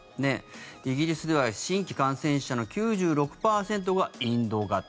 イギリスでは新規感染者の９６％がインド型。